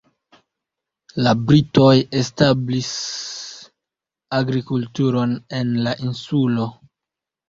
La britoj establis agrikulturon en la insulo.